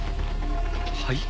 はい？